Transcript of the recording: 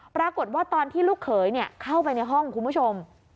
ตอนที่ลูกเขยเข้าไปในห้องคุณผู้ชม